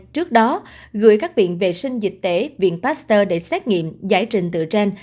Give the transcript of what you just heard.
trước đó gửi các viện vệ sinh dịch tễ viện pasteur để xét nghiệm giải trình từ gen